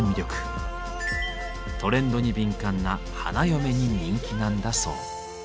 トレンドに敏感な花嫁に人気なんだそう。